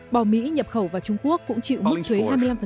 bò mỹ nhập khẩu vào trung quốc cũng chịu mức thuế hai mươi năm